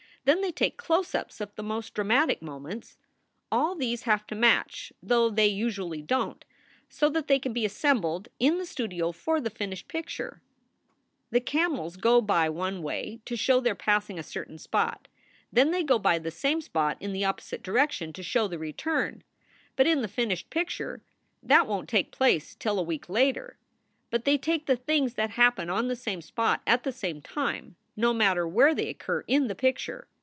Then they take close ups of the most dramatic moments. All these have to match though they usually don t so that they can be assembled in the studio for the finished picture. SOULS FOR SALE 131 "The camels go by one way to show they re passing a certain spot. Then they go by the same spot in the opposite direction to show the return. But in the finished picture that won t take place till a week later. But they take the things that happen on the same spot at the same time, no matter where they occur in the picture.